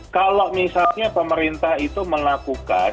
kalau misalnya pemerintah itu melakukan